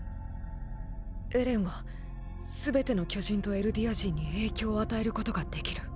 エレンはすべての巨人とエルディア人に影響を与えることができる。